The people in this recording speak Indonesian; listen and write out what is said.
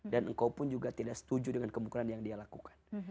dan engkau pun juga tidak setuju dengan kemungkaran yang dia lakukan